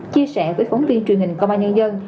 chia sẻ với phóng viên truyền hình công an nhân dân